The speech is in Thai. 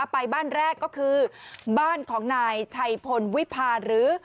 ไปบ้านแรกก็คือบ้านของนายชัยพลวิพาหรือ